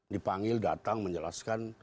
dipanggil datang menjelaskan